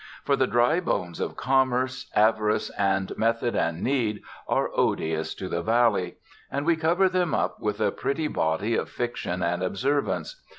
For the dry bones of commerce, avarice and method and need, are odious to the Valley; and we cover them up with a pretty body of fiction and observances.